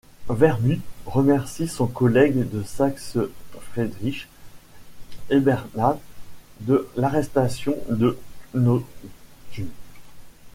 Wermuth remercie son collègue de Saxe Friedrich Eberhardt de l'arrestation de Nothjung.